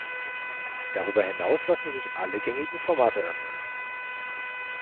Darüber hinaus lassen sich alle gängigen Formate öffnen.